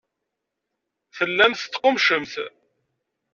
Tellamt teqqummcemt.